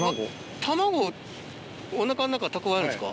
卵お腹の中蓄えるんですか？